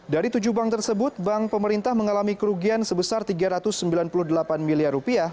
dari tujuh bank tersebut bank pemerintah mengalami kerugian sebesar rp tiga ratus sembilan puluh delapan miliar